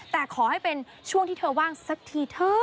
แต่ขอให้เป็นช่วงที่เธอว่างสักทีเถอะ